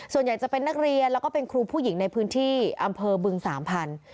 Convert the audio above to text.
ส่วนใหญ่จะเป็นนักเรียนแล้วก็เป็นครูผู้หญิงในพื้นที่อำเภอบึงสามพันธุ์